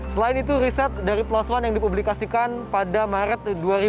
selain itu riset dari plus one yang dipublikasikan pada maret dua ribu dua puluh